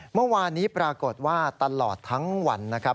เมื่อวานนี้ปรากฏว่าตลอดทั้งวันนะครับ